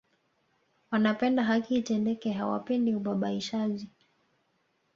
Wanapenda haki itendeke hawapendi ubabaishaji